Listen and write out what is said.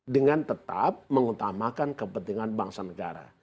dengan tetap mengutamakan kepentingan bangsa negara